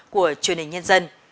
của truyền hình nhân dân